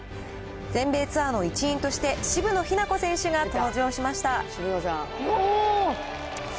全米ツアーの一員として渋野日向子選手が登場しました。